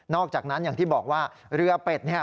จากนั้นอย่างที่บอกว่าเรือเป็ดเนี่ย